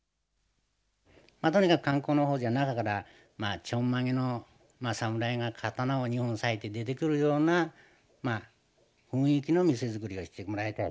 まあとにかく観光の方じゃ中からちょんまげの侍が刀を２本下げて出てくるような雰囲気の店づくりをしてもらいたい。